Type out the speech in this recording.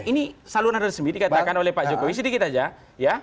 ini saluran resmi dikatakan oleh pak jokowi sedikit saja